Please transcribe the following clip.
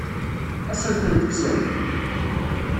Ad asen-tent-kksen?